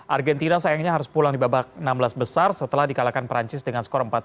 argentina sayangnya harus pulang di babak enam belas besar setelah dikalahkan perancis dengan skor empat tiga